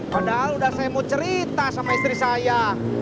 padahal udah saya mau cerita sama istri saya